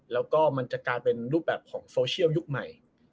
แล้วก็มันจะกลายเป็นรูปแบบของโซเชียลยุคใหม่